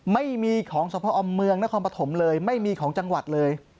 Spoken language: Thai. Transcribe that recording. ไม่มีของสภอมเมืองนครปฐมเลยไม่มีของจังหวัดเลย